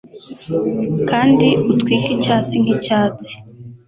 Kandi utwike icyatsi nk'icyatsi.